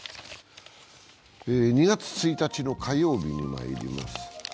２月１日の火曜日にまいります。